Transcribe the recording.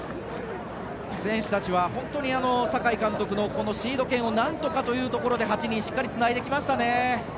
選手たちは本当に酒井監督のシード権をなんとかというところで８人しっかりつないできましたね。